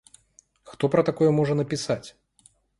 Хто пра такое можа напісаць?